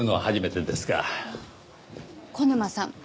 小沼さん